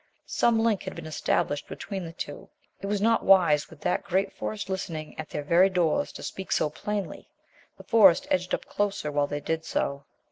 Some link had been established between the two. It was not wise, with that great Forest listening at their very doors, to speak so plainly. The forest edged up closer while they did so.